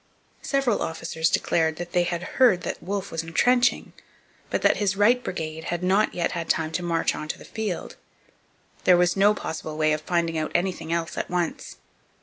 Several officers declared they had heard that Wolfe was entrenching, but that his right brigade had not yet had time to march on to the field. There was no possible way of finding out anything else at once.